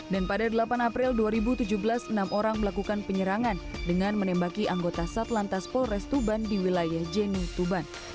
dan pada delapan april dua ribu tujuh belas enam orang melakukan penyerangan dengan menembaki anggota satlantas polrestuban di wilayah jenu tuban